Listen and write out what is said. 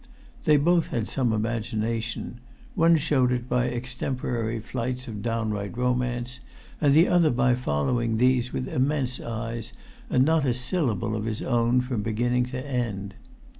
They both had some imagination; one showed it by extemporary flights of downright romance, and the other by following these with immense eyes and not a syllable of his own from beginning to end.